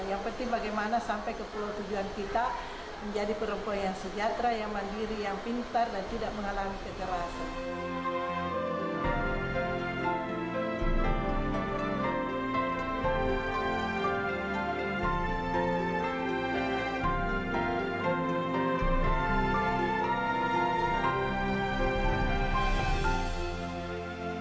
yang penting bagaimana sampai ke pulau tujuan kita menjadi perempuan yang sejahtera yang mandiri yang pintar dan tidak mengalami kekerasan